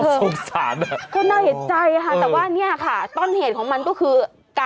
สงสารอ่ะก็น่าเห็นใจค่ะแต่ว่าเนี่ยค่ะต้นเหตุของมันก็คือ